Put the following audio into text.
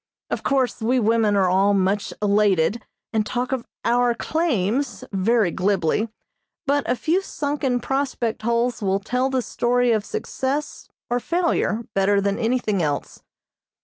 Of course we women are all much elated, and talk of "our claims" very glibly, but a few sunken prospect holes will tell the story of success or failure better than anything else.